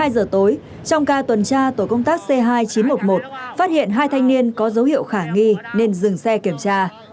hai giờ tối trong ca tuần tra tổ công tác c hai nghìn chín trăm một mươi một phát hiện hai thanh niên có dấu hiệu khả nghi nên dừng xe kiểm tra